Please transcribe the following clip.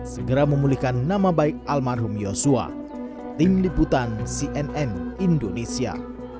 segera memulihkan nama baik almarhum yosua tim liputan cnn indonesia